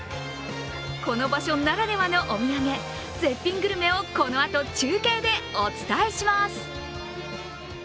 この場所ならではのお土産、絶品グルメをこのあと中継でお伝えします。